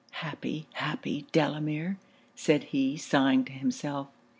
'Happy, happy Delamere!' said he, sighing to himself.